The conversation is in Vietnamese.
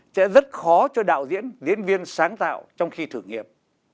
sẽ rất khó cho đạo diễn diễn viên sáng tạo trong khi thử nghiệm